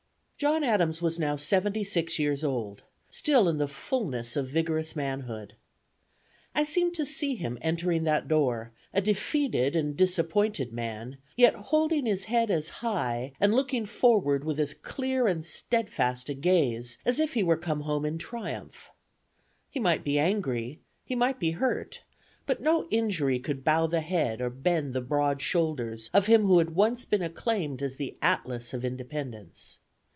John Adams was now seventy six years old, still in the fullness of vigorous manhood. I seem to see him entering that door, a defeated and disappointed man, yet holding his head as high, and looking forward with as clear and steadfast a gaze as if he were come home in triumph. He might be angry, he might be hurt; but no injury could bow the head, or bend the broad shoulders, of him who had once been acclaimed as the Atlas of Independence.